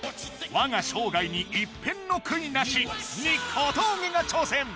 「わが生涯に一片の悔いなし！！」に小峠が挑戦